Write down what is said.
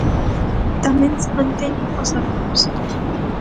Tamén se manteñen os horarios.